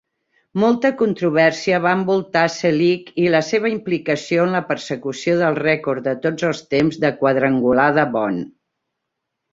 Molta controvèrsia va envoltar Selig i la seva implicació en la persecució del rècord de tots els temps de quadrangular de Bond.